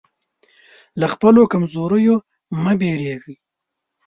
له خپلو کمزوریو مه وېرېږئ.